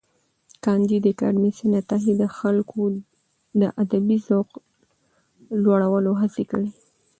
کانديد اکاډميسن عطایي د خلکو د ادبي ذوق لوړولو هڅه کړې ده.